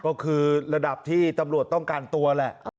ก็คือระดับที่ตำรวจต้องการตัวแหละ